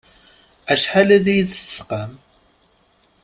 Acḥal ad yi-id-tesqam.